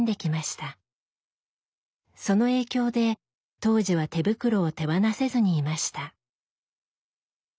その影響で当時は手袋を手放せずにいました。